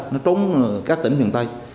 nó trốn các tỉnh miền tây